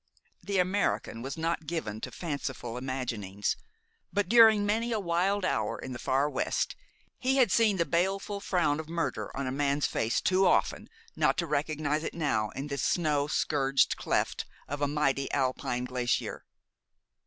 The American was not given to fanciful imaginings; but during many a wild hour in the Far West he had seen the baleful frown of murder on a man's face too often not to recognize it now in this snow scourged cleft of a mighty Alpine glacier.